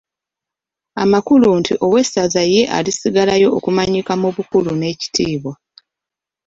Amakulu nti owessaza ye alisigalayo okumanyika mu bukulu n'ekitiibwa.